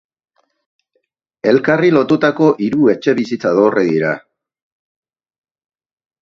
Elkarri lotutako hiru etxebizitza dorre dira.